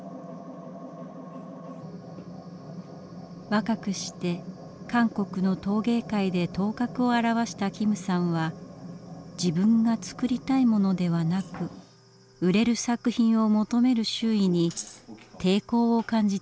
若くして韓国の陶芸界で頭角を現した金さんは自分が作りたいものではなく売れる作品を求める周囲に抵抗を感じていました。